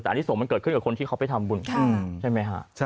แต่อันนี้ส่งมันเกิดขึ้นกับคนที่เขาไปทำบุญใช่ไหมฮะ